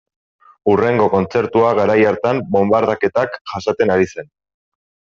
Hurrengo kontzertua garai hartan bonbardaketak jasaten ari zen.